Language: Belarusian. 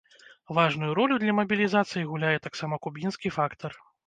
Важную ролю для мабілізацыі гуляе таксама кубінскі фактар.